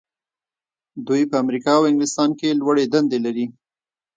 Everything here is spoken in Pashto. دوی په امریکا او انګلستان کې لوړې دندې لري.